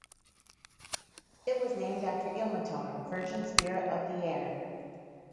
It was named after Ilmatar, virgin spirit of the air.